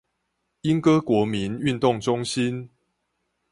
鶯歌國民運動中心